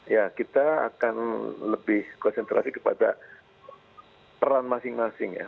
ya kita akan lebih konsentrasi kepada peran masing masing ya